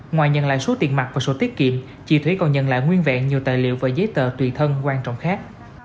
ngoài nhận lại số tiền mặt và sổ tiết kiệm chị thúy còn nhận lại nguyên vẹn nhiều tài liệu và giấy tờ tùy thân quan trọng khác